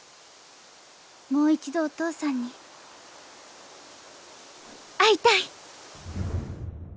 もう一度お父さんに会いたい！